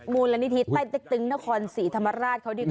มูลละนิทีใต้ตึ๊งนครศรีธรรมราชเขาดีกว่า